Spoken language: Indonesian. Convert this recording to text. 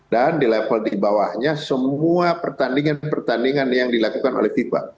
dan di level di bawahnya semua pertandingan pertandingan yang dilakukan oleh fifa